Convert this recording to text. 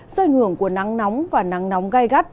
xoay ngưỡng của nắng nóng và nắng nóng gai gắt